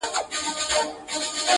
نه مي علم نه هنر په درد لګېږي!.